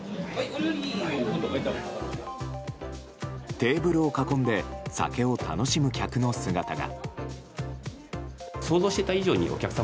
テーブルを囲んで酒を楽しむ客の姿が。